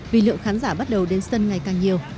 vì lượng khán giả bắt đầu đến sân ngày càng nhiều